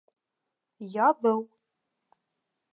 Яҙыу